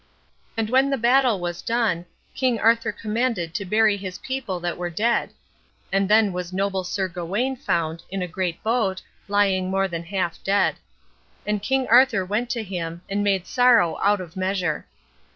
And when the battle was done, King Arthur commanded to bury his people that were dead. And then was noble Sir Gawain found, in a great boat, lying more than half dead. And King Arthur went to him, and made sorrow out of measure.